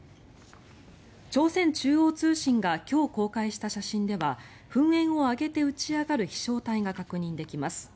朝鮮中央通信が今日、公開した写真では噴煙を上げて打ち上がる飛翔体が確認できます。